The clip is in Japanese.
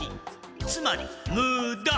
つまりムダ！